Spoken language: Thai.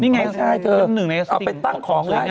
นี่ไงเอาไปตั้งของเลย